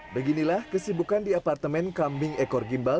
beginilah kesibukan di apartemen kambing ekor gimbal